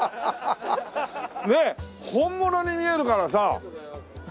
ねえ本物に見えるからさ。